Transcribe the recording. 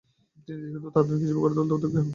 তিনি দেশকে দ্রুত আধুনিক হিসেবে গড়ে তুলতে উদ্যোগী হন।